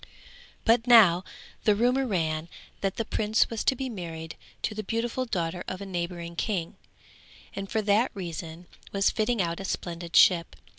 But now the rumour ran that the prince was to be married to the beautiful daughter of a neighbouring king, and for that reason was fitting out a splendid ship.